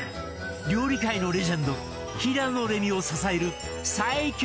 料理界のレジェンド平野レミを支える最強！